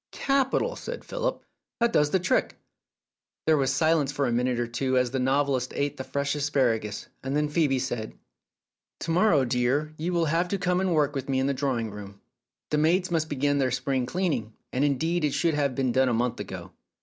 "Capital! " said Philip. "That does the trick," 296 Philip's Safety Razor There was silence for a minute or two as the novelists ate the fresh asparagus, and then Phcebe said : "To morrow, dear, you will have to come and work with me in the drawing room. The maids must begin their spring cleaning, and indeed it should have been done a month ago.